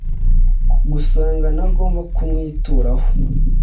gusanga ntagomba kumwituraho